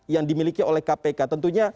yang dimiliki oleh kpk tentunya